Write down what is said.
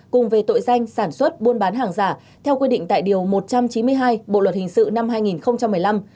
cùng về tội danh sản xuất buôn bán hàng giả theo quy định tại điều một trăm chín mươi hai bộ luật hình sự năm hai nghìn một mươi năm